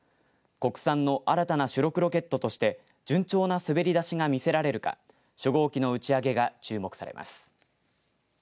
国産の新たな主力ロケットとして順調な滑り出しが見せられるか初号機の打ち上げが注目されます。